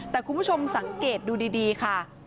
แต่คุณผู้ชมสังเกตดูดีค่ะ